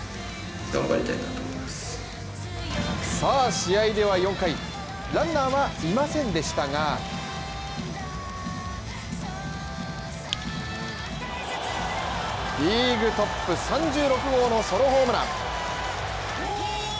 試合では４回ランナーはいませんでしたがリーグトップ３６号のソロホームラン。